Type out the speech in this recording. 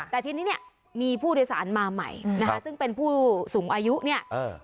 แต่ทีนี้เนี่ยมีผู้โดยสารมาใหม่นะคะซึ่งเป็นผู้สูงอายุเนี่ย